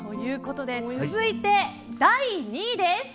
続いて第２位です。